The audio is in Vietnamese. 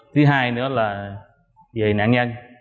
thứ hai nữa là về nạn nhân